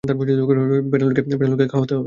পেনেলোপি-কে খাওয়াতে হবে।